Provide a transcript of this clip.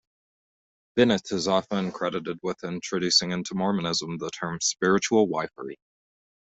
Bennett is often credited with introducing into Mormonism the term spiritual wifery.